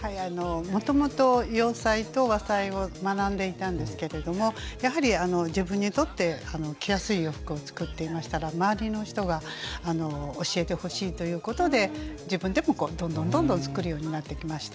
もともと洋裁と和裁を学んでいたんですけれどもやはり自分にとって着やすい洋服を作っていましたら周りの人が教えてほしいということで自分でもどんどんどんどん作るようになってきました。